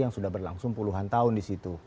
yang sudah berlangsung puluhan tahun disitu